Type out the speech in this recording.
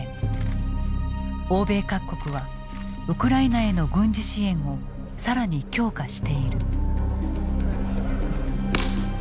欧米各国はウクライナへの軍事支援を更に強化している。